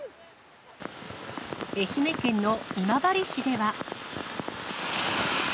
愛媛県の今治市では。